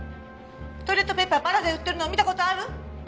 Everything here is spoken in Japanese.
トイレットペーパーバラで売ってるのを見た事ある？